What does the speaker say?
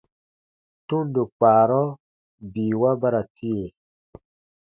Tundo kpaarɔ biiwa ba ra tie.